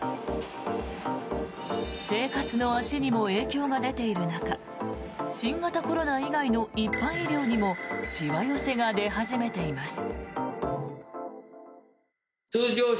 生活の足にも影響が出ている中新型コロナ以外の一般医療にもしわ寄せが出始めています。